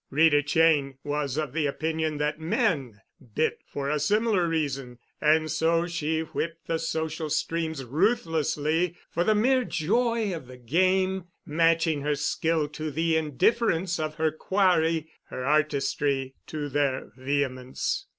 Rita Cheyne was of the opinion that men bit for a similar reason; and so she whipped the social streams ruthlessly for the mere joy of the game, matching her skill to the indifference of her quarry, her artistry to their vehemence.